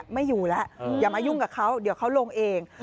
ไม่อยู่แล้วอย่ามายุ่งกับเขาเดี๋ยวเขาลงเอง